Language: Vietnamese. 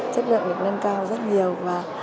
chất lượng được nâng cao rất nhiều và